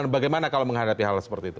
bagaimana kalau menghadapi hal seperti itu